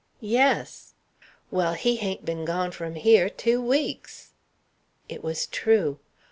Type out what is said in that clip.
"Yes." "Well, he hain't been gone from hyer two weeks." It was true.